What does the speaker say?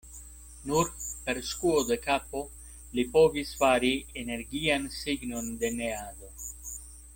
Nur per skuo de kapo li povis fari energian signon de neado.